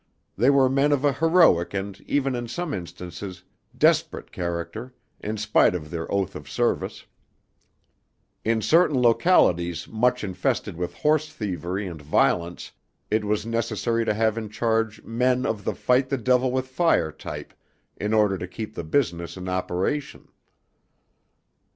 They were men of a heroic and even in some instances, desperate character, in spite of their oath of service. In certain localities much infested with horse thievery and violence it was necessary to have in charge men of the fight the devil with fire type in order to keep the business in operation.